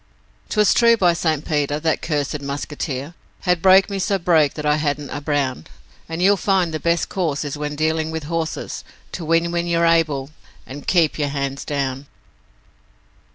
''Twas true, by St. Peter, that cursed 'muskeeter' Had broke me so broke that I hadn't a brown, And you'll find the best course is when dealing with horses To win when you're able, and KEEP YOUR HANDS DOWN.